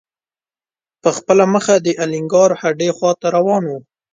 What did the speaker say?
په خپله مخه د الینګار هډې خواته روان و.